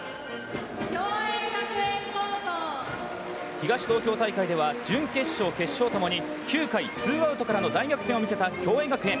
東東京大会では準決勝、決勝ともに９回ツーアウトからの大逆転を見せた共栄学園。